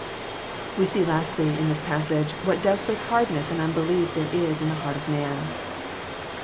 We see, lastly, in this passage, what diBsperate hardness and unbelief there is in the heart of man.